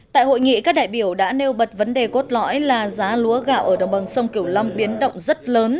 tại hội nghị các đại biểu đã nêu bật vấn đề cốt lõi là giá lúa gạo ở đồng bằng sông kiểu long biến động rất lớn